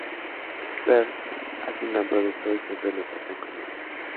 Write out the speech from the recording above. Pearl hace un gran producto, y siempre me tratan como oro.